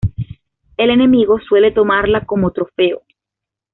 El enemigo suele tomarla como trofeo.